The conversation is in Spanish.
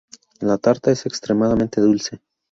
La tarta es extremadamente dulce.